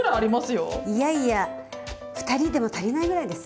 いやいや２人でも足りないぐらいです。